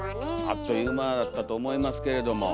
あっという間だったと思いますけれども。